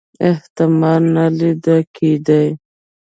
احتمال نه لیده کېدی.